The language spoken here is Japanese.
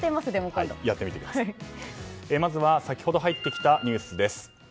まずは先ほど入ってきたニュースです。